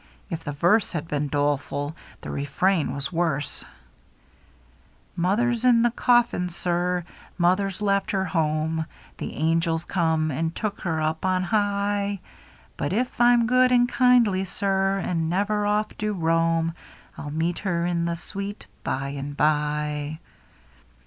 If the verse had been doleful, the refrain was worse :—Mother's in the coffim, sir. Mother's left her home ; The ainjulls come and took her up on high. But if I'm good and kindly, sir. And never off do roam, I'll meet her in the sweet by and by.'